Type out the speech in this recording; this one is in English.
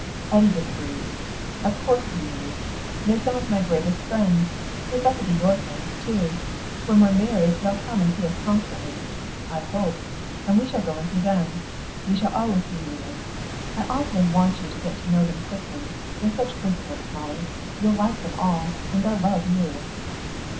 Eddy disagreed. "Of course you need. They're some of my greatest friends. They've got to be your friends too. When we're married they'll come and see us constantly, I hope, and we shall go and see them. We shall always be meeting. I awfully want you to get to know them quickly. They're such good sorts, Molly; you'll like them all, and they'll love you."